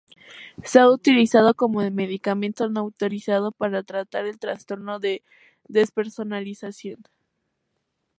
Se ha utilizado como medicamento no autorizado para tratar el trastorno de despersonalización.